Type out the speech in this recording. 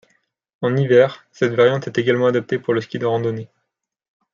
En hiver, cette variante est également adaptée pour le ski de randonnée.